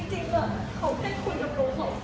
จริงมันเขาแค่คุยกับรูป๒คนแล้วก็จบ